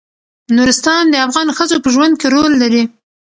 نورستان د افغان ښځو په ژوند کې رول لري.